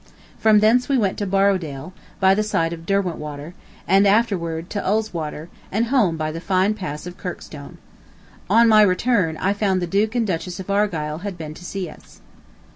From thence we went to Borrowdale, by the side of Derwentwater, and afterward to Ulswater and home by the fine pass of Kirkstone. On my return, I found the Duke and Duchess of Argyle had been to see us.